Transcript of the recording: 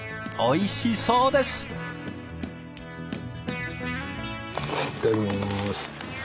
いただきます。